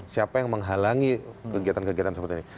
siapa yang menghalangi kegiatan kegiatan seperti ini